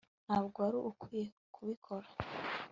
ntabwo wari ukwiye kubikora